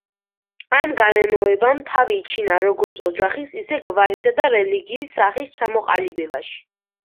ამ გარემოებამ თავი იჩინა როგორც ოჯახის, ისე გვარისა და რელიგიის სახის ჩამოყალიბებაში.